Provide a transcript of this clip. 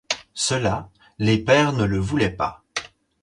Cela, les pairs ne le voulaient pas.